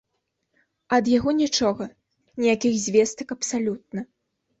А ад яго нічога, ніякіх звестак абсалютна.